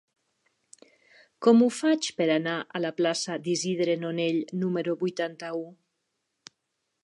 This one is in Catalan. Com ho faig per anar a la plaça d'Isidre Nonell número vuitanta-u?